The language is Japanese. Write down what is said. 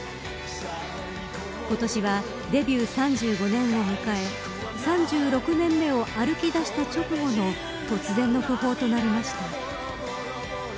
今年は、デビュー３５年を迎え３６年目を歩きだした矢先の突然の訃報となりました。